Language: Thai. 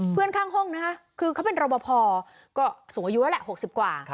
ข้างห้องนะคะคือเขาเป็นรบพอก็สูงอายุแล้วแหละ๖๐กว่า